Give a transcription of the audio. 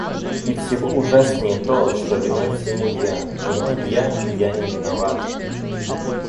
И всего ужаснее то, что виной всему я, — виной я, а не виноват.